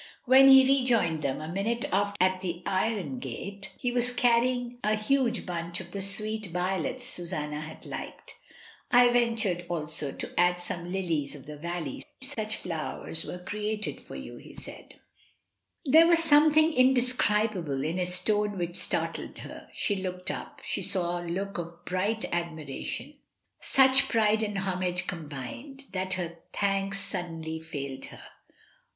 When he rejoined them a minute after at the iron gate he was canying a huge bunch of the sweet violets Susanna had liked. "I ventured also to add some lilies of the valley; such flowers were created for you," he said. Mrs. Dymond, If, 5 66 MRS. DYMOND. There was something indescribable in his tone which startled her; she looked up, she saw a look of such bright admiration, such pride and homage combined, that her thanks suddenly failed her.